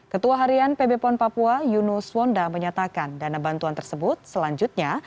ketua harian pb pon papua yunus wonda menyatakan dana bantuan tersebut selanjutnya